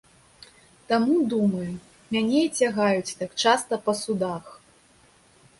Таму, думаю, мяне і цягаюць так часта па судах.